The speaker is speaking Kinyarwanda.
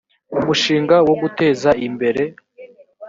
umushinga wo guteza imbere